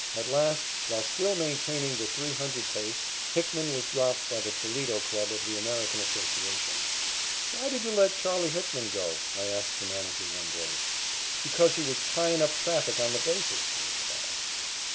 At last, while still maintaining the three hundred pace, Hickman was dropped by the Toledo club of the American Association. "Why did you let Charley Hickman go?" I asked the manager one day. "Because he was tyin' up traffic on the bases," he replied.